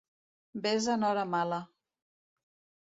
Ves en hora mala.